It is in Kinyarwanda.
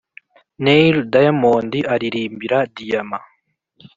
neil diamond aririmbira diyama